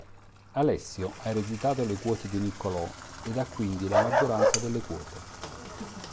Alessio ha ereditato le quote di Niccolò ed ha quindi la maggioranza delle quote.